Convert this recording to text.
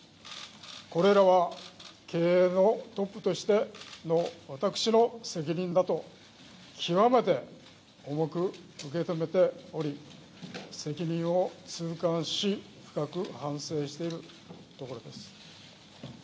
これらは経営のトップとしての私の責任だと極めて重く受け止めており責任を痛感し深く反省しているところです。